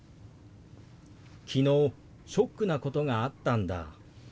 「昨日ショックなことがあったんだ」。